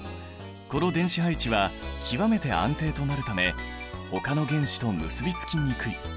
この電子配置は極めて安定となるためほかの原子と結びつきにくい。